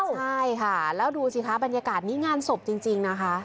ใช่ค่ะแล้วดูสิคะบรรยากาศนี้งานศพจริงนะคะ